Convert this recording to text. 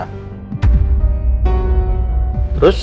terus andin bilang ya dia memang mau balikin anting itu ke elsa